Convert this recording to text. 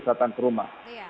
datang ke rumah